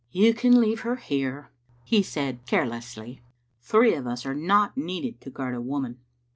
"You can leave her here," he said carelessly. "Three of us are not needed to guard a woman."